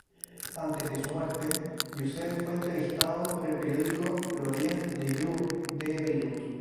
Antes de su muerte, Youssef fue entrevistado por el periódico "L'Orient-Le Jour" de Beirut.